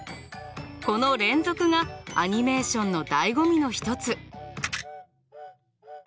この連続がアニメーションのだいご味の一つ。